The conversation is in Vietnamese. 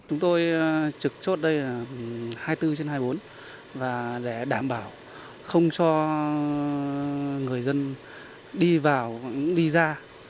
chúng tôi trực chốt đây là hai mươi bốn trên hai mươi bốn và để đảm bảo không cho người dân đi vào đi ra